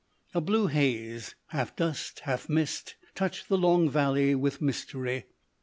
A blue haze, half dust, half mist, touched the long valley with mystery.